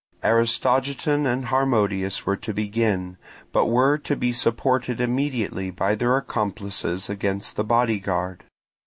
Aristogiton and Harmodius were to begin, but were to be supported immediately by their accomplices against the bodyguard.